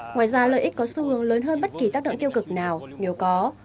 ngoài ra lợi ích có xu hướng lớn hơn bất kỳ tác động tiêu cực nào nếu có